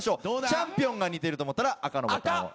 チャンピオンが似てると思ったら赤のボタンを。